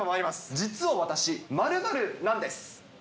実は私○○なんです。